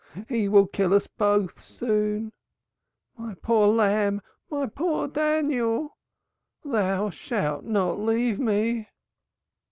He will kill us both soon. My poor lamb, my poor Daniel! Thou shalt not leave me."